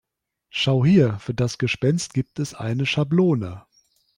Schau hier, für das Gespenst gibt es eine Schablone.